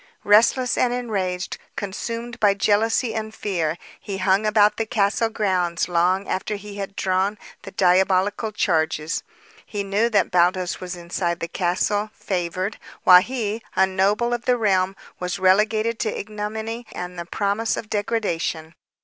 Restless and enraged, consumed by jealousy and fear, he hung about the castle grounds long after he had drawn the diabolical charges. He knew that Baldos was inside the castle, favored, while he, a noble of the realm, was relegated to ignominy and the promise of degradation.